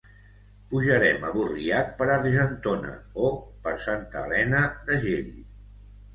Pujarem a Burriac per Argentona o per Santa Elena d'Agell.